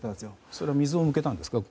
それは水を向けたんですか？